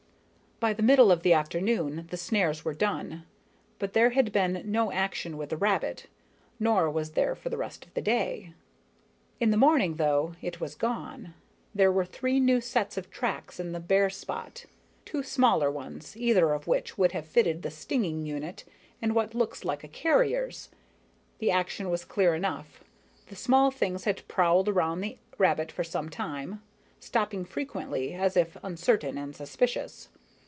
By the middle of the afternoon the snares were done, but there had been no action with the rabbit, nor was there for the rest of the day. In the morning, though, it was gone. There were three new sets of tracks in the bare spot two smaller ones, either of which would have fitted the stinging unit, and what looked like a carrier's. The action was clear enough. The small things had prowled around the rabbit for some time, stopping frequently as if uncertain and suspicious.